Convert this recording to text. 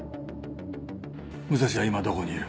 武蔵は今どこにいる？